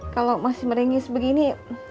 kalau masih merengis begini